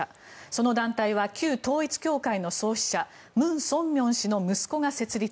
その団体は旧統一教会の創始者ムン・ソンミョン氏の息子が設立。